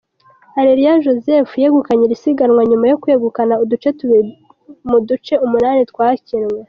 Areruya Joseph yegukanye iri sigamwa nyuma yo kwegukana uduce tubiri mu duce umunani twakinwe.